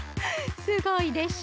すごいでしょ？